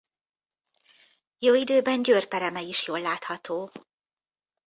Jó időben Győr pereme is jól látható.